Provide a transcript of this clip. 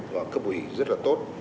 và cấp ủy rất là tốt